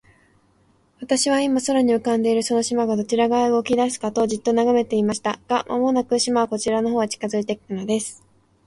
私は、今、空に浮んでいるその島が、どちら側へ動きだすかと、じっと眺めていました。が、間もなく、島はこちらの方へ近づいて来たのです。